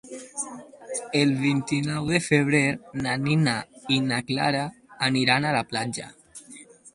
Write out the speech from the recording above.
El vint-i-nou de febrer na Nina i na Clara aniran a la platja.